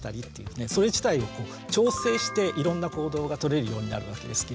それ自体を調整していろんな行動がとれるようになるわけですけれども。